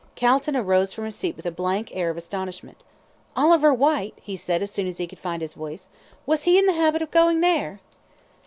Calton arose from his seat with a blank air of astonishment. "Oliver Whyte!" he said, as soon as he could find his voice. "Was he in the habit of going there?"